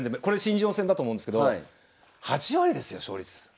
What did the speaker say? これ新人王戦だと思うんですけど８割ですよ勝率。